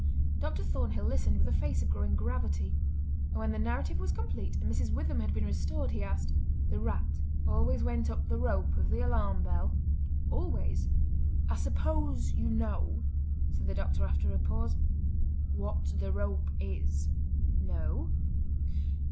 Dr. Thornhill listened with a face of growing gravity, and when the narrative was complete and Mrs. Witham had been restored he asked: "The rat always went up the rope of the alarm bell?" "Always." "I suppose you know," said the Doctor after a pause, "what the rope is?" "No!"